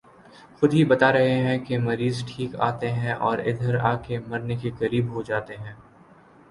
خود ہی بتا رہے ہیں کہ مریض ٹھیک آتے تھے اور ادھر آ کہ مرنے کے قریب ہو جاتے تھے